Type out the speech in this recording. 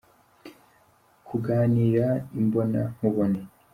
kuganira imbonankubone.